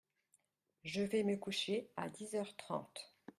Je vais me coucher à dix heures trente.